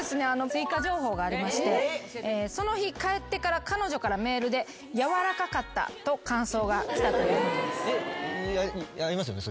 追加情報がありましてその日帰ってから彼女からメールで「柔らかかった」と感想が来たと。ありますよね？